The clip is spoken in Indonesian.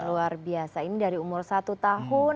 luar biasa ini dari umur satu tahun